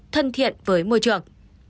thân thiện với môi trường